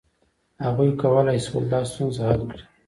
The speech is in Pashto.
هغوی کولای شول دا ستونزه حل کړي.